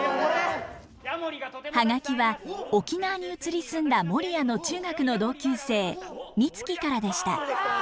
葉書は沖縄に移り住んだモリヤの中学の同級生ミツキからでした。